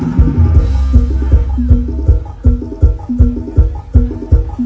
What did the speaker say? เวลาที่สุดท้าย